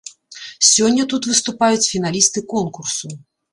Сёння тут выступаюць фіналісты конкурсу.